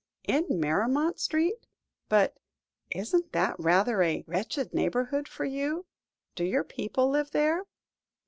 "In Maremont Street? But isn't that rather a wretched neighbourhood for you? Do your people live there?"